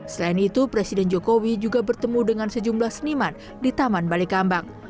selain itu presiden jokowi juga bertemu dengan sejumlah seniman di taman balai kambang